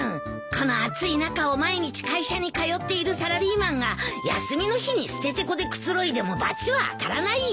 この暑い中を毎日会社に通っているサラリーマンが休みの日にステテコでくつろいでもバチは当たらないよ。